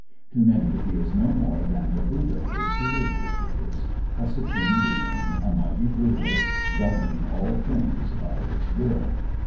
To many He is no more than the Buddha is to his worshipers, a supreme being, a mighty ruler, governing all things by his will.